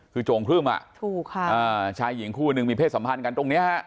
คือโจงครึ่มอะชายหญิงคู่นึงมีเพศสัมพันธ์กันตรงนี้ฮะ